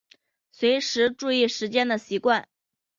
随时注意时间的习惯